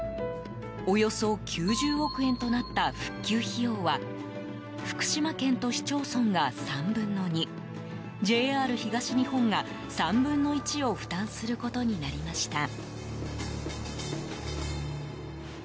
およそ９０億円となった復旧費用は福島県と市町村が３分の２ＪＲ東日本が３分の１を負担することになりました。